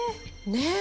ねえ！